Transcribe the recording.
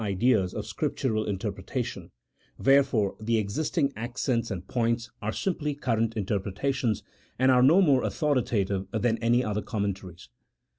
ideas of Scriptural interpretation ; wherefore the existing accents and points are simply current interpretations, and are no more authoritative than any other commentaries.